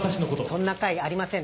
そんな会ありません